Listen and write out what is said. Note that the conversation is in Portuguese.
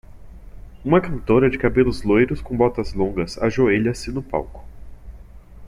Uma cantora de cabelos loiros com botas longas ajoelha-se no palco.